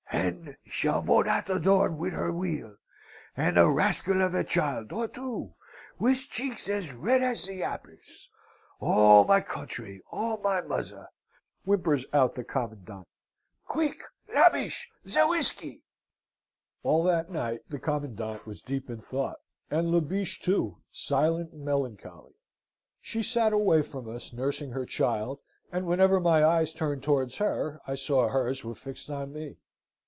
"'And Javotte at the door with her wheel, and a rascal of a child, or two, with cheeks as red as the apples! O my country! O my mother!" whimpers out the commandant. 'Quick, La Biche, the whisky!' "All that night the commandant was deep in thought, and La Biche, too, silent and melancholy. She sate away from us, nursing her child, and whenever my eyes turned towards her I saw hers were fixed on me.